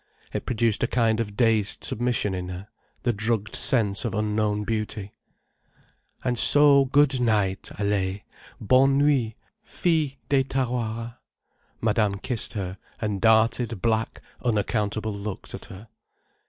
It produced a kind of dazed submission in her, the drugged sense of unknown beauty. "And so good night, Allaye—bonne nuit, fille des Tawara." Madame kissed her, and darted black, unaccountable looks at her.